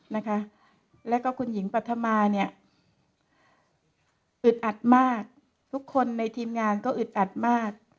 นะคะแล้วก็คุณหญิงปัธมาเนี่ยอึดอัดมากทุกคนในทีมงานก็อึดอัดมาก